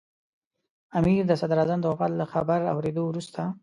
امیر د صدراعظم د وفات له خبر اورېدو وروسته.